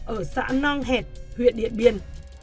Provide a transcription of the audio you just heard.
ở xã nong hẹt huyện điện biên